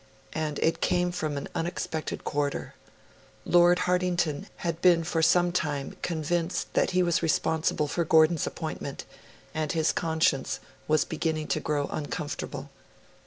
And it came from an unexpected quarter. Lord Hartington had been for some time convinced that he was responsible for Gordon's appointment; and his conscience was beginning to grow uncomfortable.